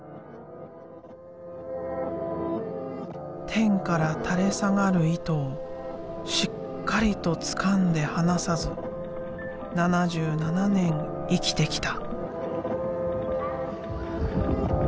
天から垂れ下がる糸をしっかりとつかんで離さず７７年生きてきた。